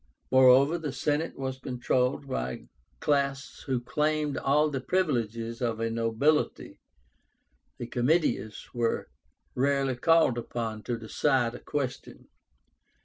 Moreover, the Senate was controlled by a class who claimed all the privileges of a nobility. The Comitias were rarely called upon to decide a question.